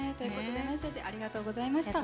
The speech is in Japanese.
メッセージありがとうございました。